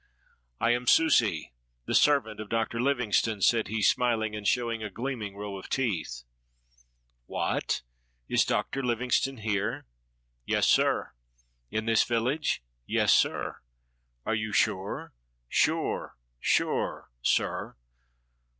"I am Susi, the servant of Dr. Livingstone," said he, smiling and showing a gleaming row of teeth. "What! Is Dr. Livingstone here?" "Yes, sir." "In this village?" "Yes, sir." "Are you sure?" "Sure, sure, sir.